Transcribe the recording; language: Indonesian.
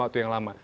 waktu yang lama